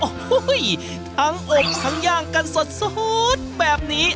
โอ้โหทั้งอบทั้งย่างกันสดแบบนี้